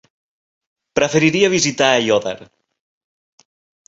Preferiria visitar Aiòder.